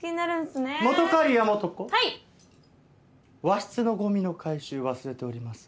和室のゴミの回収忘れております。